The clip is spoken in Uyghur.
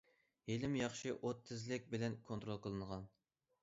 ھېلىمۇ ياخشى ئوت تېزلىك بىلەن كونترول قىلىنغان.